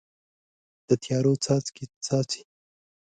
د تیارو څاڅکي، څاڅي